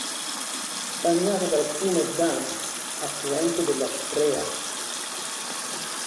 È bagnata dal fiume Dahme, affluente della Sprea.